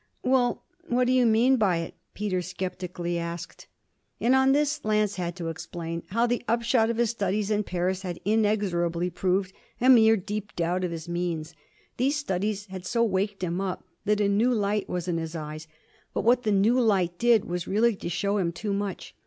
'Well, what do you mean by it?' Peter sceptically asked. And on this Lance had to explain how the upshot of his studies in Paris had inexorably proved a mere deep doubt of his means. These studies had so waked him up that a new light was in his eyes; but what the new light did was really to show him too much.